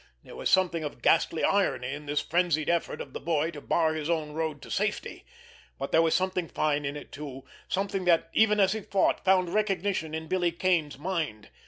There was something of ghastly irony in this frenzied effort of the boy to bar his own road to safety; but there was something fine in it too, something that, even as he fought, found recognition in Billy Kane's mind.